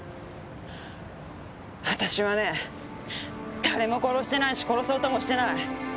私はね誰も殺してないし殺そうともしてない。